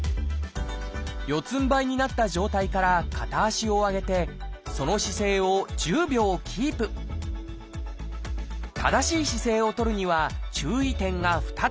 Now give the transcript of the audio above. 四つんばいになった状態から片足を上げてその姿勢を１０秒キープ正しい姿勢を取るには注意点が２つ。